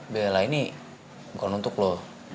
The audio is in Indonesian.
bella ini bukan untuk lo